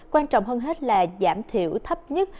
quan trọng hơn hết là giảm thiểu thấp nhất